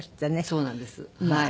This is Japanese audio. そうなんです。